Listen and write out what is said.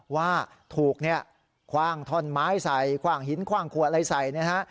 ว่าถูกเนี่ยคว่างท่อนไม้ใส่คว่างหินคว่างขวดอะไรใส่นะฮะ